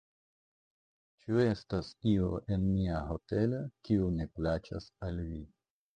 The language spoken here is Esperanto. Ĉu estas io en mia hotelo, kiu ne plaĉas al vi?